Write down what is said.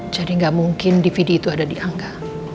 jadi gak mungkin dvd itu ada di angga